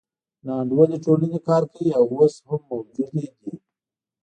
ناانډولې ټولنې کار کوي او اوس هم موجودې دي.